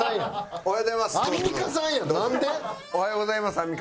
おはようございます。